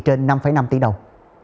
trên năm năm tỷ đồng